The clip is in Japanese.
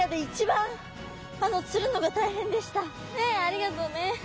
ねっありがとうね。